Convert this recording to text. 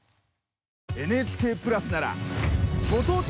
ＮＨＫプラスならご当地